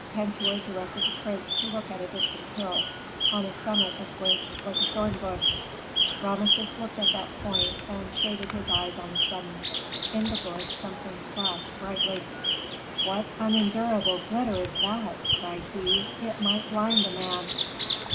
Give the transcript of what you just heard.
Pentuer directed the prince to look at a distant hill, on the summit of which was a thornbush. Rameses looked at that point and shaded his eyes on a sudden. In the bush something flashed brightly. "What unendurable glitter is that?" cried he. "It might blind a man."